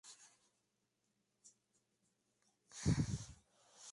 Pero en última instancia, no vio la luz del día por varias razones.